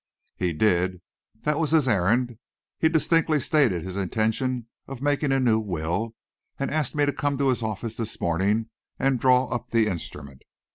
"He did. That was his errand. He distinctly stated his intention of making a new will, and asked me to come to his office this morning and draw up the instrument."